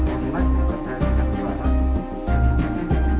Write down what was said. tapi saya nggak berani mendekat